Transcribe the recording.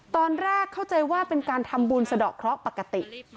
ตอนแรกเข้าใจว่าเป็นการทำบุญสะดอกเคราะห์ปกติ